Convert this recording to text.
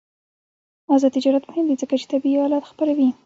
آزاد تجارت مهم دی ځکه چې طبي آلات خپروي.